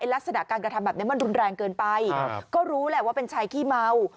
ลักษณะการกระทำแบบนี้มันรุนแรงเกินไปก็รู้แหละว่าเป็นชายขี้เมา